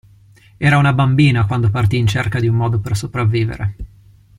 Era una bambina quando partì in cerca di un modo per sopravvivere.